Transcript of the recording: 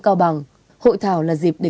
cao bằng hội thảo là dịp để